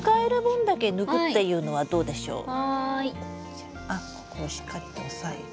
じゃあここをしっかりと押さえて。